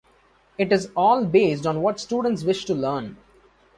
It is all based on what students wish to learn.